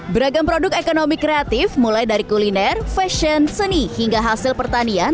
beragam produk ekonomi kreatif mulai dari kuliner fashion seni hingga hasil pertanian